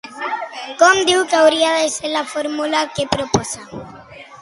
Com diu que hauria de ser la fórmula que proposa?